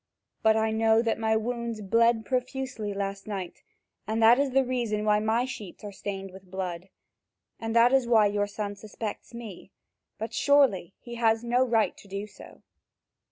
But I know that my wounds bled profusely last night, and that is the reason why my sheets are stained with blood. That is why your son suspects me, but surely he has no right to do so."